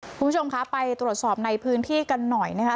คุณผู้ชมคะไปตรวจสอบในพื้นที่กันหน่อยนะคะ